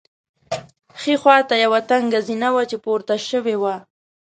ښي خوا ته یوه تنګه زینه وه چې پورته شوې وه.